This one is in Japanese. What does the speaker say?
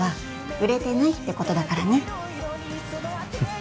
売れてないってことだからね